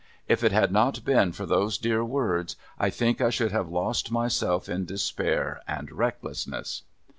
If it had not been for those dear words, I think I should have lost myself in despair and recklessness.